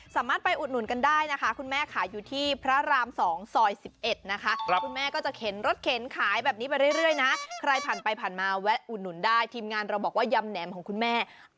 สามารถไปอุดหนุนกันได้นะคะ